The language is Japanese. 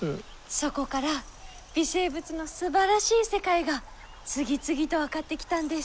そこから微生物のすばらしい世界が次々と分かってきたんです。